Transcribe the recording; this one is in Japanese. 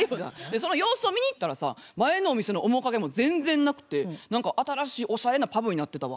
その様子を見に行ったらさ前のお店の面影も全然なくて何か新しいおしゃれなパブになってたわ。